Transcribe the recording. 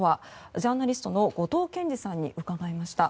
ジャーナリストの後藤謙次さんに伺いました。